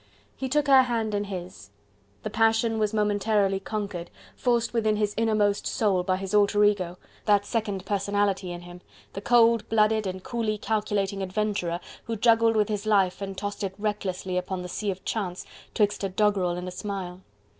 He took her hand in his. The passion was momentarily conquered, forced within his innermost soul, by his own alter ego, that second personality in him, the cold blooded and coolly calculating adventurer who juggled with his life and tossed it recklessly upon the sea of chance 'twixt a doggerel and a smile.